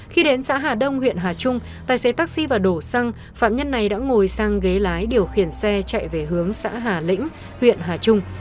khi đến xã hà đông huyện hà trung tài xế taxi và đổ xăng phạm nhân này đã ngồi sang ghế lái điều khiển xe chạy về hướng xã hà lĩnh huyện hà trung